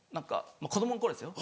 子供の頃ですよ